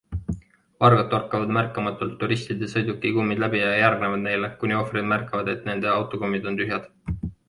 Vargad torkavad märkamatult turistide sõiduki kummid läbi ja järgnevad neile, kuni ohvrid märkavad, et nende autokummid on tühjad.